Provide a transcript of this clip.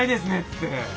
って。